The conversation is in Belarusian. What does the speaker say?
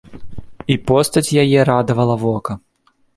І постаць яе радавала вока.